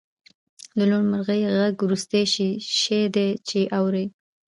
د لوون مرغۍ غږ وروستی شی دی چې اورئ